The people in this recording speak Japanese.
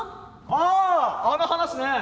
「ああの話ねえ」。